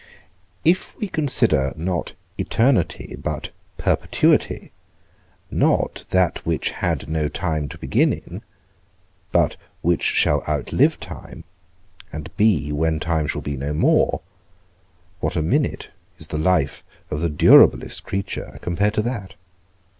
If we consider, not eternity, but perpetuity; not that which had no time to begin in, but which shall outlive time, and be when time shall be no more, what a minute is the life of the durablest creature compared to that!